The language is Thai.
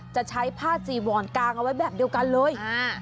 จะใช้ผ้าจีวอนกางเอาไว้แบบเดียวกันเลย